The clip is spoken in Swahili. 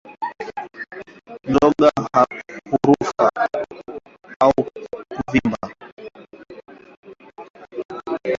Mzoga hufura au kuvimba